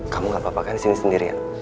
kamu gak apa apakan sini sendirian